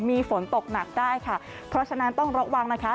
มีฝนตกหนักได้ค่ะเพราะฉะนั้นต้องระวังนะคะ